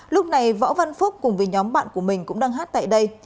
lúc này võ văn phúc cùng với nhóm bạn của mình cũng đang hát tại đây